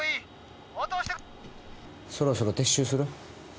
そろそろ撤収する？